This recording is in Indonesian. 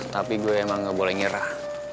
tapi gue emang gak boleh nyerah